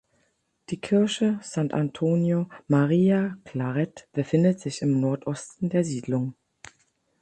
Die Kirche St Antonio Maria Claret befindet sich im Nordosten der Siedlung.